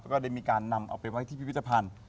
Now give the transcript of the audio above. ก็ได้มีการนำเอาไปไว้ที่พิพิธภัณฑ์